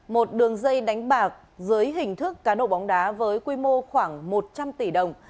một đường dây đánh bạc dưới hình thức cá độ bóng đá với quy mô khoảng một trăm linh tỷ đồng